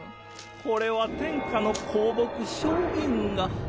これは天下の香木「小銀河」。